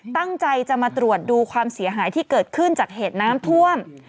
ตั้งใจจะมาตรวจดูความเสียหายที่เกิดขึ้นจากเหตุน้ำท่วม